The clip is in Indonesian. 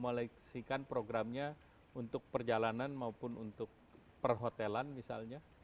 tinggal bagaimana memformulasikan programnya untuk perjalanan maupun untuk perhotelan misalnya